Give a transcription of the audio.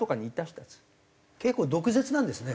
結構毒舌なんですね。